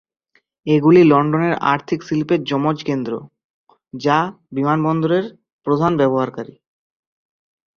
এগুলি লন্ডনের আর্থিক শিল্পের যমজ কেন্দ্র, যা বিমানবন্দরের প্রধান ব্যবহারকারী।